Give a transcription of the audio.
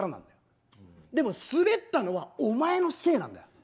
でもスベったのはお前のせいなんだよ。